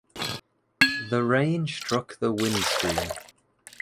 The rain struck the windscreen.